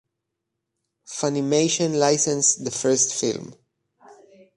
Funimation licensed the first film.